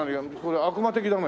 悪魔的だね。